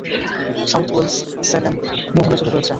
South Wales Severn মোহনা জুড়ে রয়েছে।